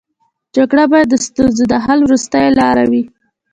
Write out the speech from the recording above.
جګړه باید د ستونزو د حل وروستۍ لاره وي